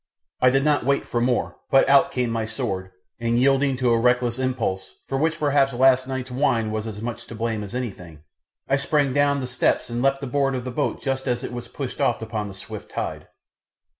I did not wait for more, but out came my sword, and yielding to a reckless impulse, for which perhaps last night's wine was as much to blame as anything, I sprang down the steps and leapt aboard of the boat just as it was pushed off upon the swift tide.